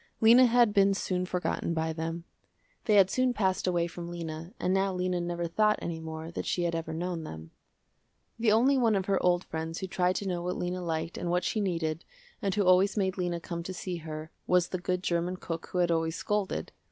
Lena had been soon forgotten by them. They had soon passed away from Lena and now Lena never thought any more that she had ever known them. The only one of her old friends who tried to know what Lena liked and what she needed, and who always made Lena come to see her, was the good german cook who had always scolded.